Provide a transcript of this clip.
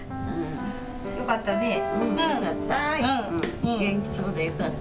よかったね。